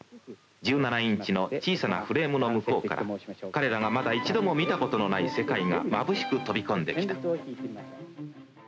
１７インチの小さなフレームの向こうから彼らがまだ一度も見たことのない世界がまぶしく飛び込んできた。